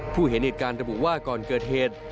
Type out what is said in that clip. ผู้เห็นอิจการระบุว่าก่อนเกิดเหตุ